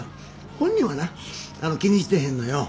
本人はな気にしてへんのよ。